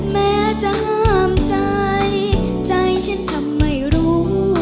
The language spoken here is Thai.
แม้จะห้ามใจใจฉันทำไม่รู้